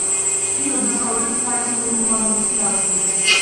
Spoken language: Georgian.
ჩრდილო-დასავლეთით არის ორი ულამაზესი ლაგუნა.